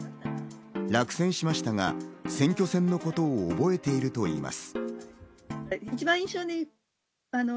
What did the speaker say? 落選しましたが選挙戦のことを覚えているといいます。